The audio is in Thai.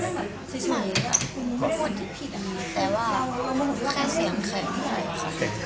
ใช่ค่ะคุณผู้ห่วงที่ผิดอันนี้แต่ว่าแค่เสียงใครไม่ใช่ค่ะ